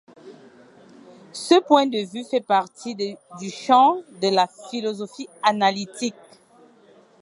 Ce point de vue fait partie du champ de la philosophie analytique.